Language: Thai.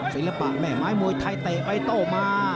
ศิลปะแม่ไม้มวยไทยเตะไปโต้มา